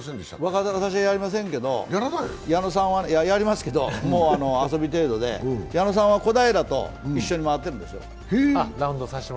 私はやりませんけど矢野さんはやりますけど、遊び程度で矢野さんは小平と一緒に回ってるんですよ。